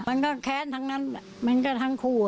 มันก็แค้นทั้งนั้นมันก็ทั้งคู่